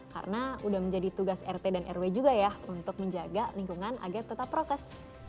karena sudah menjadi tugas rt dan rw juga ya untuk menjaga lingkungan agar tetap prokes